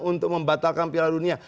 untuk membatalkan pilihan dunia